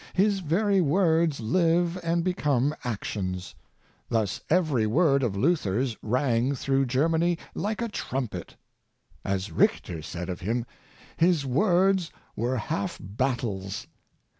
His very words live and become actions. Thus every word of Luther's rang through . Germany like a trumpet. As Richter said •of him, "his words were half battles."